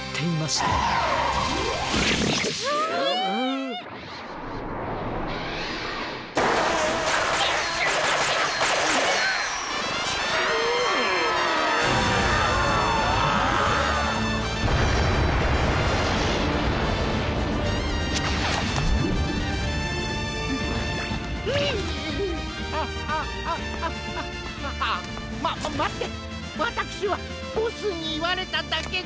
わたくしはボスにいわれただけで。